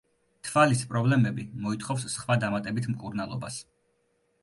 თვალის პრობლემები მოითხოვს სხვა დამატებით მკურნალობას.